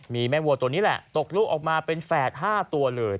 มีแม่วัวตัวนี้แหละตกลูกออกมาเป็นแฝด๕ตัวเลย